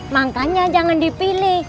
makanya jangan dipilih